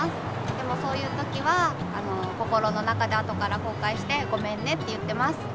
でもそういう時は心の中であとからこうかいしてごめんねって言ってます。